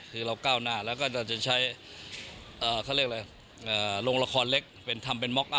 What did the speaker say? คือเราก้าวหน้าแล้วก็จะใช้เขาเรียกอะไรลงละครเล็กเป็นทำเป็นม็ก